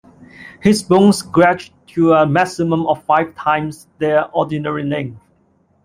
His bones stretch to a maximum of five times their ordinary length.